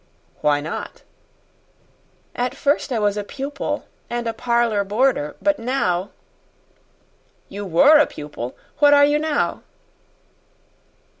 "Why not?" "At first I was a pupil, and a parlor boarder; but now " "You were a pupil! What are you now?"